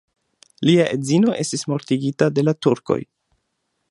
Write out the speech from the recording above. Lia edzino estis mortigita de la turkoj.